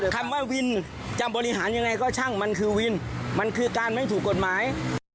คำว่าวินจะบริหารยังไงก็ช่างมันคือวินมันคือการไม่ถูกกฎหมาย